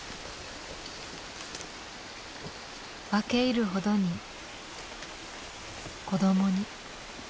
分け入るほどに子どもに。